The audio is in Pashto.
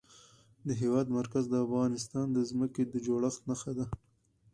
د هېواد مرکز د افغانستان د ځمکې د جوړښت نښه ده.